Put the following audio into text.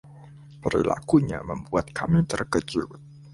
Perilakunya membuat kami terkejut.